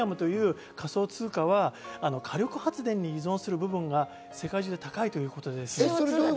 イーサリアムという仮想通貨は火力発電に依存する部分が世界中で高いということです。